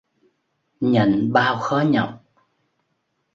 Nhận bao khó nhọc